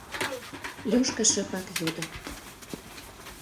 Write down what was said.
— Лёшка шыпак йодо.